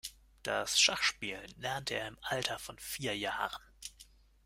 Das Schachspielen lernte er im Alter von vier Jahren.